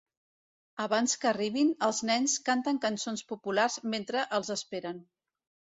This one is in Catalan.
Abans que arribin, els nens canten cançons populars mentre els esperen.